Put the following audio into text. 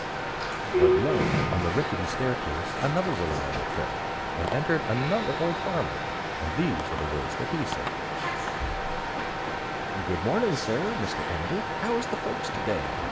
But lo! on the rickety stair case, another reliable tread, And entered another old farmer, and these are the words that he said: "Good morning, sir, Mr. Editor, how is the folks to day?